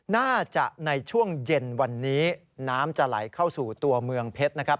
น่าจะในช่วงเย็นวันนี้น้ำจะไหลเข้าสู่ตัวเมืองเพชรนะครับ